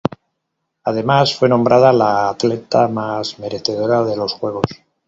Además, fue nombrada la atleta más merecedora de los Juegos.